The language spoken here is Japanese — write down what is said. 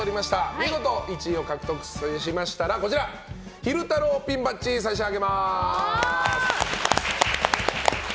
見事１位を獲得されましたら昼太郎ピンバッジ差し上げます。